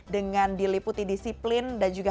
dengan diliputi disiplin dan juga